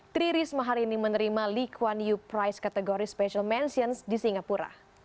tririsma hari ini menerima likuan u prize kategori special mentions di singapura